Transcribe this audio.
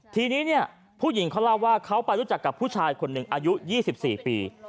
ทีนี้เนี่ยผู้หญิงเขาเล่าว่าเขาไปรู้จักกับผู้ชายคนหนึ่งอายุ๒๔ปี